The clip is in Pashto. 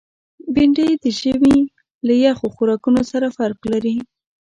بېنډۍ د ژمي له یخو خوراکونو سره فرق لري